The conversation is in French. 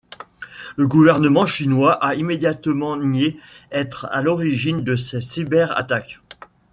Le gouvernement Chinois a immédiatement nié être à l'origine de ces cyberattaques.